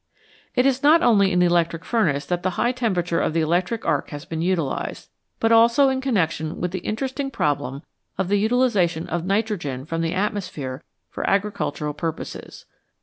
It is not only in the electric furnace that the high temperature of the electric arc has been utilised, but also in connection with the interesting problem of the utilisa tion of nitrogen from the atmosphere for agricultural purposes.